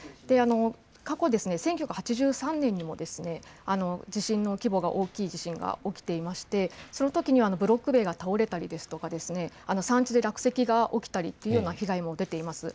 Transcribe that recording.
過去、１９８３年にも地震の規模が大きい地震が起きていて、それときにはブロック塀が倒れたりですとか、山地で落石が起きたりという被害も出ています。